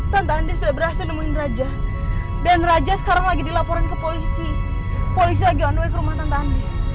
tante andis sudah berhasil nemuin raja dan raja sekarang lagi dilaporin ke polisi polisi lagi on the way ke rumah tante andis